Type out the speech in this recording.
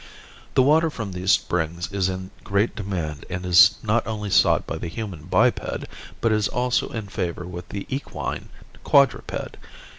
The water from these springs is in great demand and is not only sought by the human biped, but is also in favor with the equine quadruped.